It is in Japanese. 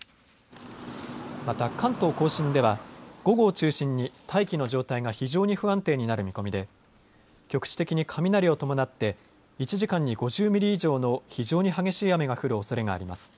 また関東甲信では午後を中心に大気の状態が非常に不安定になる見込みで局地的に雷を伴って１時間に５０ミリ以上の非常に激しい雨が降るおそれがあります。